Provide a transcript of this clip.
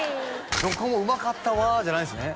「どこもうまかったわ」じゃないんですね